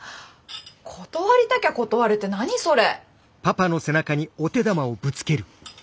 断りたきゃ断れって何それ。